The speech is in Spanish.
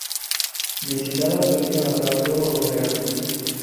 Visitaba su isla natal todos los veranos.